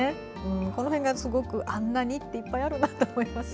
この辺が、すごく「あんなに」っていっぱいあるなと思います。